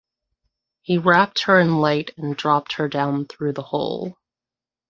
He wrapped her in light and dropped her down through the hole.